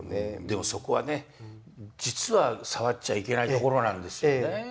でもそこはね実は触っちゃいけないところなんですよね。